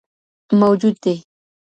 موجود دي